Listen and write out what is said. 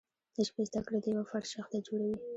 د ژبې زده کړه د یوه فرد شخصیت جوړوي.